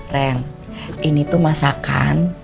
ren ini tuh masakan